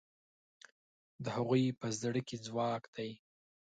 د هغوی په زړه کې ځواک دی.